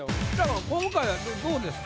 今回はどうですか？